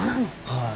はい。